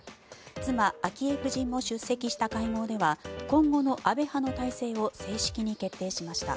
妻・昭恵夫人も出席した会合では今後の安倍派の体制を正式に決定しました。